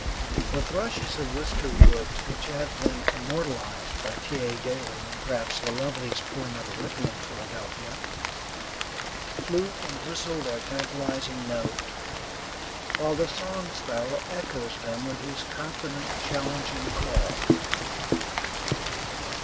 The thrushes of Wister Woods, which have been immortalized by T. A. Daly in perhaps the loveliest poem ever written in Philadelphia, flute and whistle their tantalizing note, while the song sparrow echoes them with his confident, challenging call.